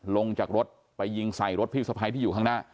ลงจากรถไปยิงใส่รถพี่สะพ้ายที่อยู่ข้างหน้า